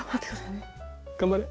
頑張れ。